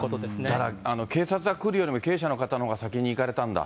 だから警察が来るよりも、経営者の方のほうが先に行かれたんだ。